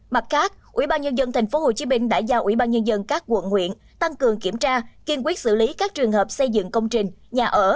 mặt khác ubnd tp hcm đã giao ubnd các quận huyện tăng cường kiểm tra kiên quyết xử lý các trường hợp xây dựng công trình nhà ở